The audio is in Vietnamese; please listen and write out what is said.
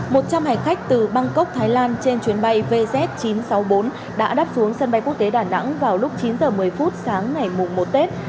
một trăm linh hành khách từ bangkok thái lan trên chuyến bay vz chín trăm sáu mươi bốn đã đáp xuống sân bay quốc tế đà nẵng vào lúc chín h một mươi phút sáng ngày mùng một tết